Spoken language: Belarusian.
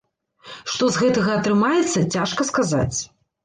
Што з гэтага атрымаецца, цяжка сказаць.